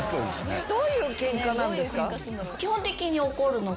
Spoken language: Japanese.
どういうケンカなんですか？